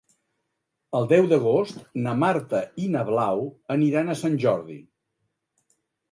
El deu d'agost na Marta i na Blau aniran a Sant Jordi.